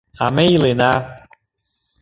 А ме илена.